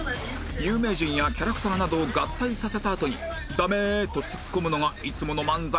有名人やキャラクターなどを合体させたあとに「ダメ」とツッコむのがいつもの漫才の形